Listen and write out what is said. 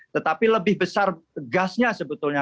tetapi lebih besar gasnya sebetulnya